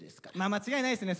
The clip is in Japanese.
間違いないっすね